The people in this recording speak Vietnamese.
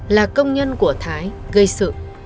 là công nhân của thái gây sự